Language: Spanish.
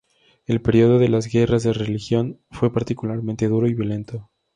El período de las guerras de religión fue particularmente duro y violento.